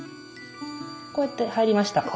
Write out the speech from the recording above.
こうやって入りました。